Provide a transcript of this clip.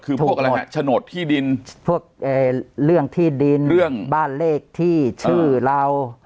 คือพวกอะไรฮะโฉนดที่ดินพวกเรื่องที่ดินเรื่องบ้านเลขที่ชื่อเรา